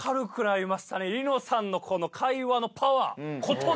りのさんのこの会話のパワー。